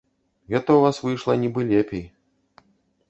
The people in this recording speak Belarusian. Гэта ў вас выйшла нібы лепей.